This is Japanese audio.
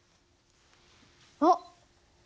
あっ。